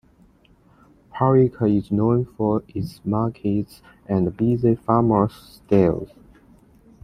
Parika is known for its markets and busy farmer's stalls.